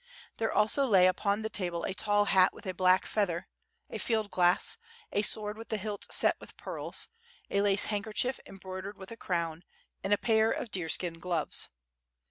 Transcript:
There also lay upon the table a tall hat with a black feather; a field glass, a sword with the hilt set with pearls, a lace handkerchief embroidered with a crown, and a pair of deerskin gloves.